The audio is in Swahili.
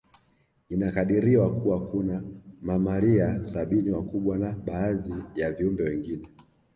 Inakadiriwa Kuwa kuna mamalia sabini wakubwa na baadhi ya viumbe wengine